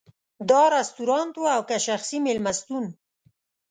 دا رستورانت و او که شخصي مېلمستون.